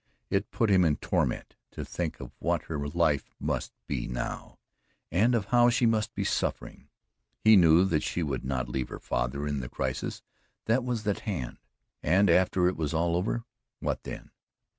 It put him in torment to think of what her life must be now, and of how she must be suffering. He knew that she would not leave her father in the crisis that was at hand, and after it was all over what then?